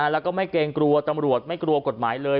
แล้วก็ไม่เกรงกลัวตำรวจไม่กลัวกฎหมายเลย